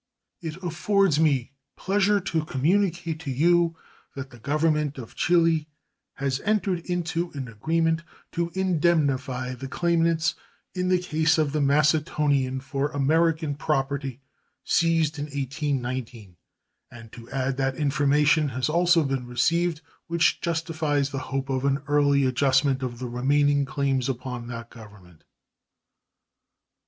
It affords me pleasure to communicate to you that the Government of Chili has entered into an agreement to indemnify the claimants in the case of the Macectonian for American property seized in 1819, and to add that information has also been received which justifies the hope of an early adjustment of the remaining claims upon that Government.